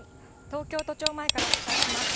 東京都庁前からお伝えします。